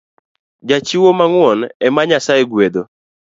Jachiwo mang’uon ema Nyasaye gwedho